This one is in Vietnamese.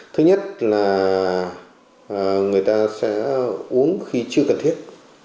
thứ nhất là người ta sẽ uống khi chưa cần thiết